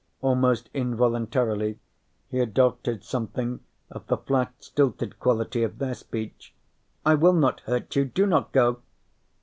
Almost involuntarily, he adopted something of the flat stilted quality of their speech: "I will not hurt you. Do not go."